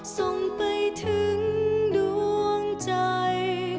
ส่งไปถึงดวงใจ